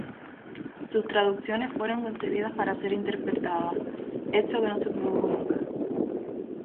Sus traducciones fueron concebidas para ser interpretadas, hecho que no se produjo nunca.